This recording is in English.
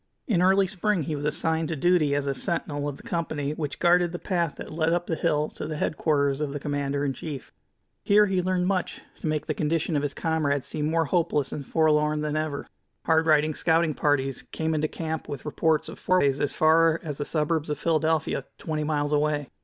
In early spring he was assigned to duty as a sentinel of the company which guarded the path that led up the hill to the headquarters of the commander in chief. Here he learned much to make the condition of his comrades seem more hopeless and forlorn than ever. Hard riding scouting parties came into camp with reports of forays as far as the suburbs of Philadelphia, twenty miles away.